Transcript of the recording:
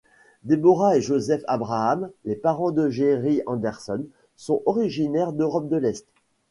Deborah et Joseph Abrahams, les parents de Gerry Anderson, sont originaires d'Europe de l'Est.